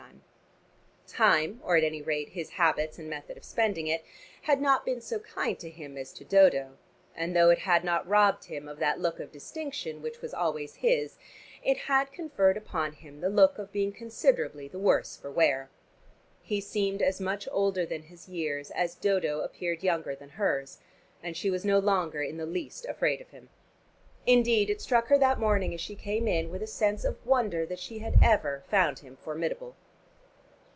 Time, or at any rate, his habits and method of spending it, had not been so kind to him as to Dodo and though it had not robbed him of that look of distinction which was always his it had conferred upon him the look of being considerably the worse for wear. He seemed as much older than his years as Dodo appeared younger than hers, and she was no longer in the least afraid of him. Indeed it struck her that morning as she came in, with a sense of wonder, that she had ever found him formidable.